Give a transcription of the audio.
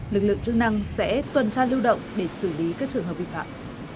lực lượng chức năng sẽ tuần tra lưu động để xử lý các trường hợp vi phạm